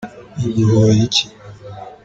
Yaguho ye iki?